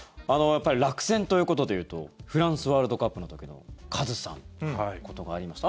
落選ということでいうとフランスワールドカップの時のカズさんのことがありました。